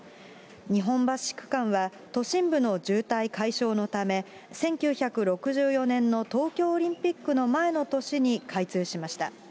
日本橋区間は都心部の渋滞解消のため、１９６４年の東京オリンピックの前の年に開通しました。